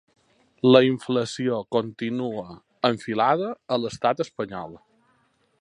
La inflació continua enfilada a l’estat espanyol.